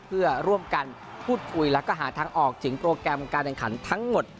เพื่อร่วมกันพูดคุยแล้วก็หาทางออกถึงโปรแกรมการแข่งขันทั้งหมด